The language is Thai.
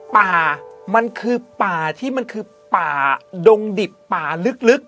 ป่ามันคือป่าที่มันคือป่าดงดิบป่าลึก